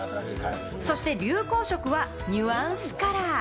そして流行色は、ニュアンスカラー。